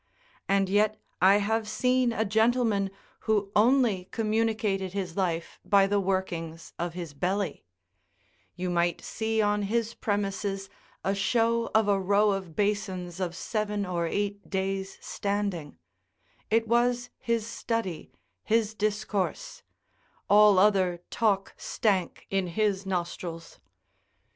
And yet I have seen a gentleman who only communicated his life by the workings of his belly: you might see on his premises a show of a row of basins of seven or eight days' standing; it was his study, his discourse; all other talk stank in his nostrils.